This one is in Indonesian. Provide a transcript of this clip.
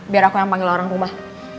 biar aku yang panggil orang rumah